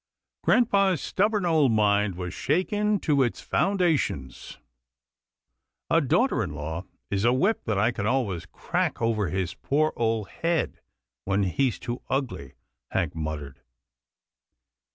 Grampa's stubborn old mind was shaken to its foundations. " A daughter in law is a whip that I can always crack over his poor old head, when he's too ugly," Hank muttered.